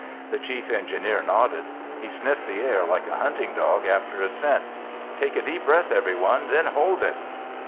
The chief engineer nodded. He sniffed the air like a hunting dog after a scent. "Take a deep breath, everyone, then hold it!"